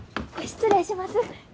失礼します。